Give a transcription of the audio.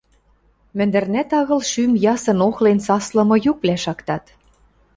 Мӹндӹрнӓт агыл шӱм ясын охлен саслымы юквлӓ шактат.